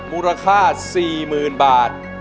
มูลค่า๔๐๐๐บาท